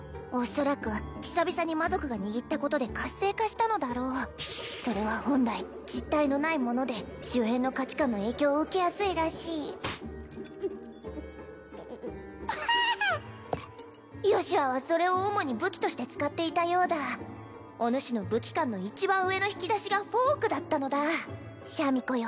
恐らく久々に魔族が握ったことで活性化したのだろうそれは本来実体のないもので周辺の価値観の影響を受けやすいらしいぷはヨシュアはそれを主に武器として使っていたようだおぬしの武器観の一番上の引き出しがフォークだったのだシャミ子よ